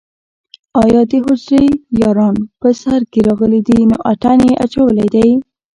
او يا دحجرې ياران په سر کښې راغلي دي نو اتڼ يې اچولے دے